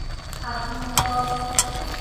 學園路